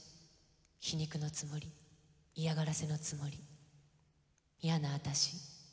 皮肉のつもり嫌がらせのつもりいやなあたし。